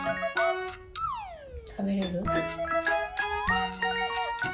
たべれる？